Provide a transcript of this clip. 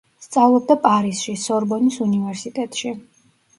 სწავლობდა პარიზში, სორბონის უნივერსიტეტში.